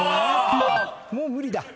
もう無理だ。